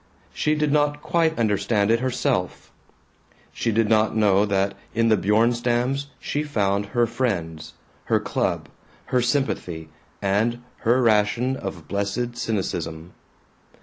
She did not quite understand it herself; did not know that in the Bjornstams she found her friends, her club, her sympathy and her ration of blessed cynicism.